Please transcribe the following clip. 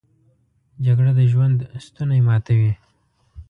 جګړه د ژوند ستونی ماتوي